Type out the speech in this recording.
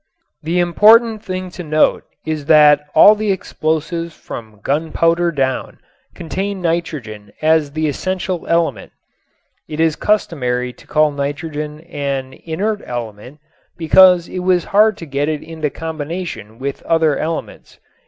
The important thing to note is that all the explosives from gunpowder down contain nitrogen as the essential element. It is customary to call nitrogen "an inert element" because it was hard to get it into combination with other elements.